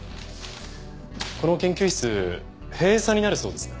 この研究室閉鎖になるそうですね。